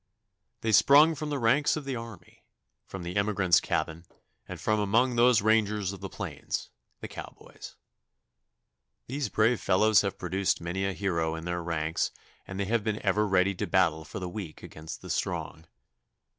They sprung from the ranks of the army, from the emigrant's cabin, and from among those rangers of the plains, the cowboys. These brave fellows have produced many a hero in their ranks, and they have been ever ready to battle for the weak against the strong.